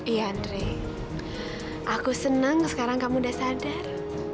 ya andre aku senang sekarang kamu udah sadar